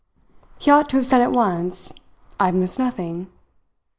He ought to have said at once: "I've missed nothing."